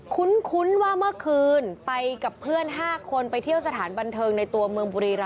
คุ้นว่าเมื่อคืนไปกับเพื่อน๕คนไปเที่ยวสถานบันเทิงในตัวเมืองบุรีรำ